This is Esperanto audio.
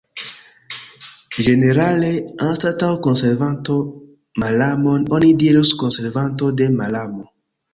Ĝenerale, anstataŭ konservanto malamon, oni dirus konservanto de malamo.